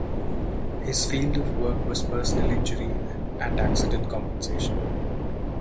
His field of work was personal injury and accident compensation.